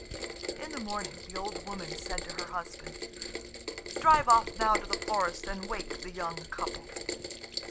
In the morning the old woman said to her husband, "Drive off now to the forest, and wake the young couple."